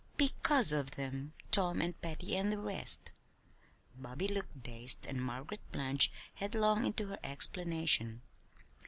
"Because of them Tom, and Patty, and the rest" Bobby looked dazed, and Margaret plunged headlong into her explanation.